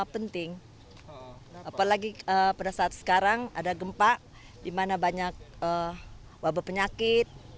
penting apalagi pada saat sekarang ada gempa di mana banyak wabah penyakit